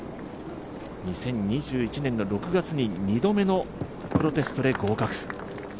２０２１年の６月に２度目のプロテストで合格。